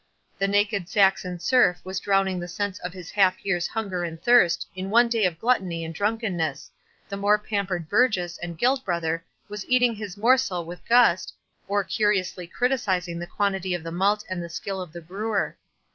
The naked Saxon serf was drowning the sense of his half year's hunger and thirst, in one day of gluttony and drunkenness—the more pampered burgess and guild brother was eating his morsel with gust, or curiously criticising the quantity of the malt and the skill of the brewer.